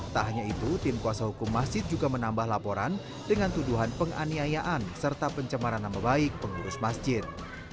tak hanya itu tim kuasa hukum masjid juga menambah laporan dengan tuduhan penganiayaan serta pencemaran nama baik pengurus masjid